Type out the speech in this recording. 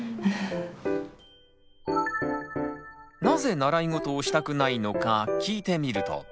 なぜ習い事をしたくないのか聞いてみると。